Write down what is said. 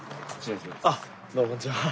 あっどうもこんにちは。